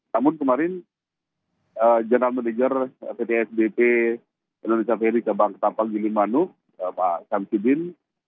namun kemarin general manager pt asbp indonesia ferry ke bank tapal gili manuk pak kamsudin